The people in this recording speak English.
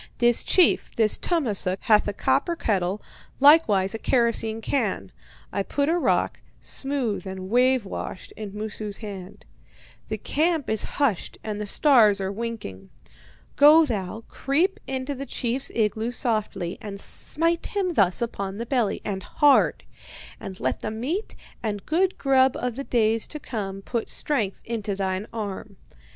"'This chief, this Tummasook, hath a copper kettle, likewise a kerosene can.' I put a rock, smooth and wave washed, in Moosu's hand. 'The camp is hushed and the stars are winking. Go thou, creep into the chief's igloo softly, and smite him thus upon the belly, and hard. And let the meat and good grub of the days to come put strength into thine arm.